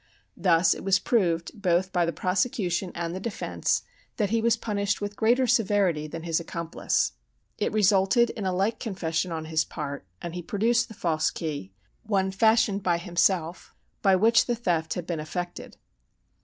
Thus it was proved, both by the prosecution and the defence, that he was punished with greater severity than his accomplice. It resulted in a like confession on his part, and he produced the false key, one fashioned by himself, by which the theft had been effected.